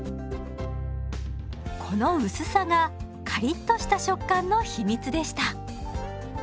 この薄さがカリッとした食感の秘密でした。